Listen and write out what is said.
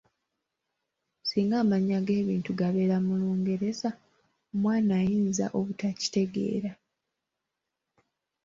"Singa amannya g'ebintu gabeera mu Lungereza, omwana ayinza obutakitegeera."